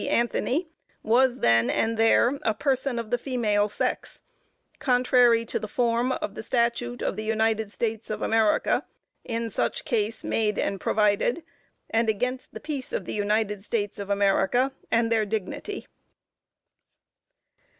Anthony was then and there a person of the female sex, contrary to the form, of the statute of the United States of America in such case made and provided, and against the peace of the United States of America and their dignity_.